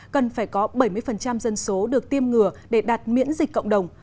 bảy mươi dân số được tiêm ngừa để đạt miễn dịch cộng đồng